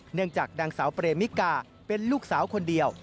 เนื่องจากนางสาวเปรมิกาเป็นลูกสาวคนเดียว